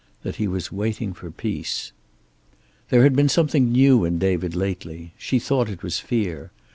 That he was waiting for peace. There had been something new in David lately. She thought it was fear.